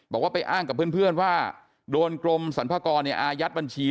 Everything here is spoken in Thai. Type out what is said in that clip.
บอกว่าไปอ้างกับเพื่อนว่าโดนกรมสรรพากรอายัดบัญชี